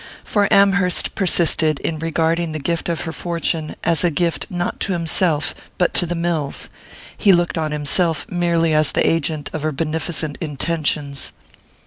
For Amherst persisted in regarding the gift of her fortune as a gift not to himself but to the mills: he looked on himself merely as the agent of her beneficent intentions.